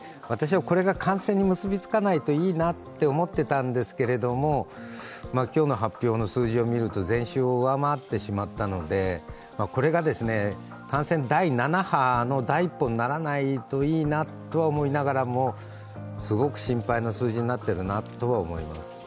私はこれが感染に結びつかないといいなと思っていたんですが、今日の発表の数字を見ると前週を上回ってしまったのでこれが感染第７波の第一歩にならないといいなとは思いながらもすごく心配な数字になっているなとは思います。